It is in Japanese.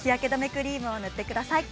クリームを塗ってください。